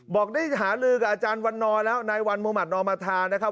บอกได้หาลือกับอาจารย์วันนอแล้วนายวันมุมัธนอมธานะครับ